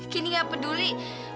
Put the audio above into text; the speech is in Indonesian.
candy gak peduli